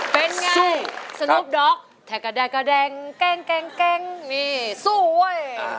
เป็นไงสนุปด๊อกแทะกะแดะกะแดงแก๊งแก๊งแก๊งสู้เว้ย